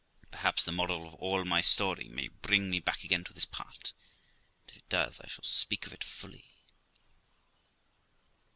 Perhaps the moral of all my story may bring me back again to this part, and if it does I shall speak of it fully.